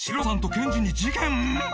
シロさんとケンジに事件！？